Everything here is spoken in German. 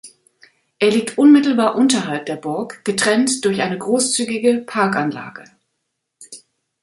Er liegt unmittelbar unterhalb der Burg, getrennt durch eine großzügige Parkanlage.